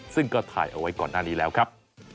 ซึ่งก็ถ่ายเอาไว้ก่อนหน้านี้แล้วครับ